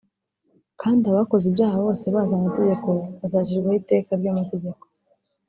kandi abakoze ibyaha bose bazi amategeko bazacirwa ho iteka ry’amategeko